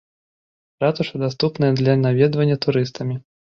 Ратуша даступная для наведвання турыстамі.